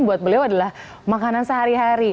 buat beliau adalah makanan sehari hari